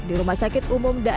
di rumah sakit umum jalan sindang